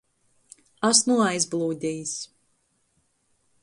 Asmu aizblūdejs.